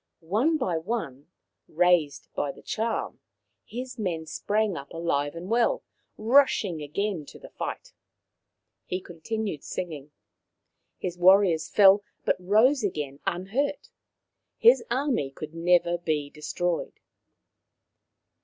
One by one, raised by the charm, his men sprang up alive and well, rushing again to the fight. Rata 167 He continued singing. His warriors fell, but rose again unhurt. His army could never be destroyed.